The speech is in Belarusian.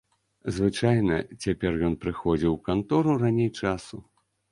Звычайна цяпер ён прыходзіў у кантору раней часу.